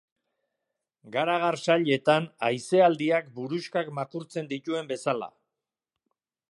Garagar sailetan haizealdiak buruxkak makurtzen dituen bezala.